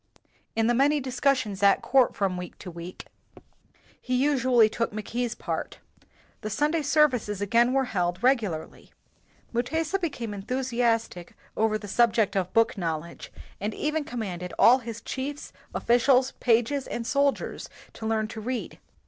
In the many discussions at court from week to week, he usually took Mackay 's part. The Sunday services again were held regularly. 106 WHITE MEN AND BLACK MEN Mutesa became enthusiastic over the sub ject of book knowledge, and even com manded all his chiefs, officials, pages, and soldiers to learn to read.